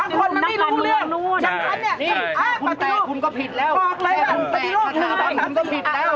ปฏิรูปเนี่ยบางคนมันไม่รู้เรื่องจำกัดเนี่ยอ้าวปฏิรูปบอกเลยบ้างปฏิรูปนึงต้องทำก็ผิดแล้ว